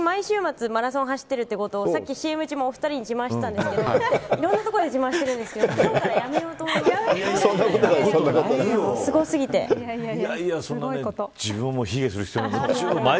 最近、毎週末マラソン走ってるということをＣＭ中もお二人に自慢してたんですけどいろんなところで自慢してるんですけど自分を卑下する必要はない。